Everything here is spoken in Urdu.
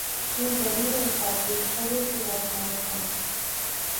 ہوں گرمیِ نشاطِ تصور سے نغمہ سنج